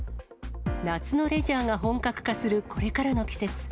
夏のレジャーが本格化するこれからの季節。